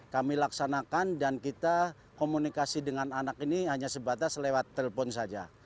kami laksanakan dan kita komunikasi dengan anak ini hanya sebatas lewat telepon saja